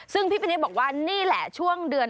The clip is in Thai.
ซึ่งพี่ปีนี้บอกว่านี่แหละช่วงเดือน